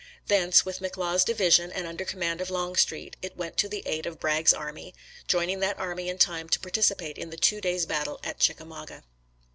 Thence, with McLaws' division and under command of Long street, it went to the aid of Bragg's army, joining that army in time to participate in the two days' battle of Chicka mauga.